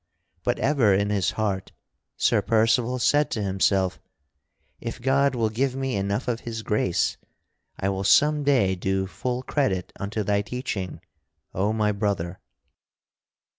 But ever in his heart Sir Percival said to himself: "If God will give me enough of His grace, I will some day do full credit unto thy teaching, O my brother!"